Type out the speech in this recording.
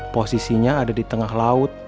posisinya ada di tengah laut